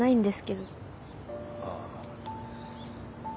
ああ。